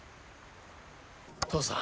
父さん。